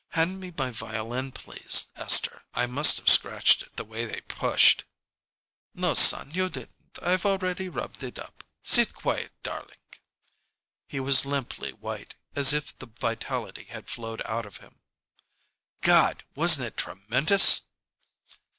"Hand me my violin, please, Esther. I must have scratched it, the way they pushed." "No, son, you didn't. I've already rubbed it up. Sit quiet, darlink!" He was limply white, as if the vitality had flowed out of him. "God! wasn't it tremendous?"